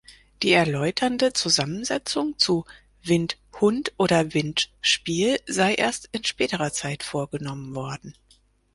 Die erläuternde Zusammensetzung zu "Wind-Hund" oder "Wind-Spiel" sei erst in späterer Zeit vorgenommen worden.